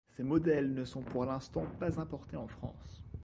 Ces modèles ne sont pour l'instant pas importés en France.